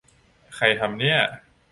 ใครทำเนี่ย